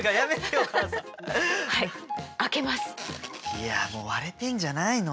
いやもう割れてんじゃないの？